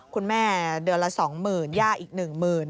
คุณแม่เดือนละสองหมื่นย่าอีกหนึ่งหมื่น